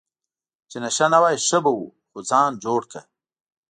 چې نشه نه وای ښه به وو، نو ځان جوړ کړه.